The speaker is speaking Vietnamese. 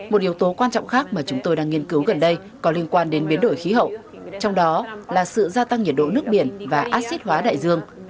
một yếu tố quan trọng khác mà chúng tôi đang nghiên cứu gần đây có liên quan đến biến đổi khí hậu trong đó là sự gia tăng nhiệt độ nước biển và acid hóa đại dương